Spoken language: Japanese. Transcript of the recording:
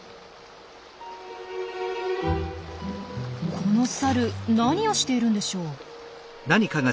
このサル何をしているんでしょう？